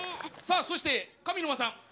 さあそして上沼さん！